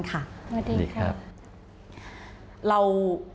สวัสดีครับ